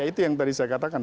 itu yang tadi saya katakan